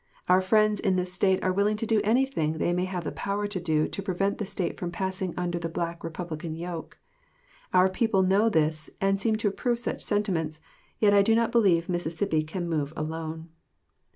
Our friends in this State are willing to do anything they may have the power to do to prevent the State from passing under the Black Republican yoke. Our people know this, and seem to approve such sentiments, yet I do not believe Mississippi can move alone.